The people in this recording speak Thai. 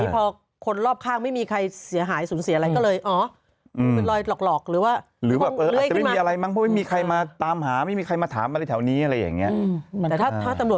พอคนรอบข้างไม่มีใครเสียหายสูญเสียอะไรก็เลยอ๋อ